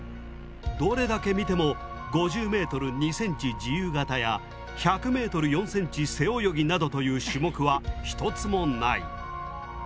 どれだけ見ても５０ｍ２ｃｍ自由形や１００ｍ４ｃｍ背泳ぎなどという種目は一つもない。